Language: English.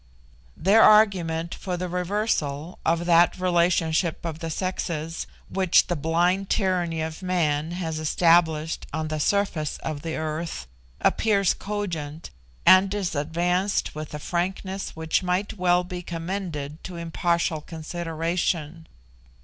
Their argument for the reversal of that relationship of the sexes which the blind tyranny of man has established on the surface of the earth, appears cogent, and is advanced with a frankness which might well be commended to impartial consideration.